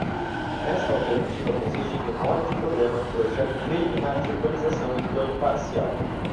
Esta alternativa consiste em memória de programa, projeto preliminar de urbanização e plano parcial.